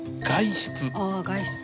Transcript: ああ外出。